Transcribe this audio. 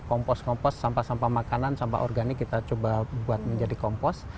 kompos kompos sampah sampah makanan sampah organik kita coba buat menjadi kompos